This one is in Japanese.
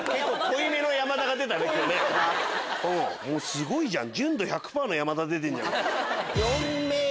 すごいじゃん！